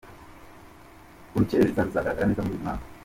Urukerereza ruzagaragara neza muruyu mwaka